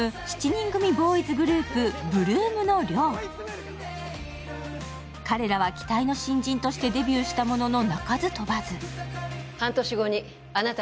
７人組ボーイズグループ、８ＬＯＯＭの寮彼らは期待の新人としてデビューしたものの鳴かず飛ばず。